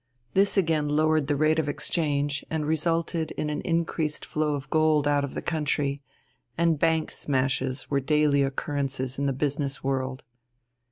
This again lowered the rate of exchange and resulted in an increased flow of gold out of the country, and bank smashes were daily occurrences in the business world.